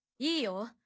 いいよ